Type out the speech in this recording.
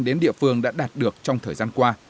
đến địa phương đã đạt được trong thời gian qua